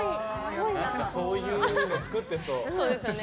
そういうの作ってそう。